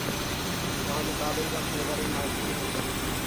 তাহলে bubble gum ফ্লেভারের martini হয়ে যাবে।